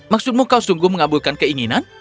maksudmu kau sungguh mengabulkan keinginan